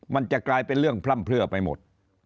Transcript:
มันจะกลายเป็นเรื่องพร่ำเพลือไปหมด